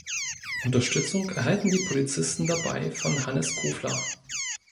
Unterstützung erhalten die Polizisten dabei von Hannes Kofler.